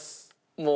もう。